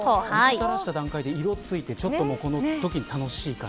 垂らした段階で色が付いてちょっとこのとき楽しい感じ。